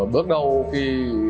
bước đầu thì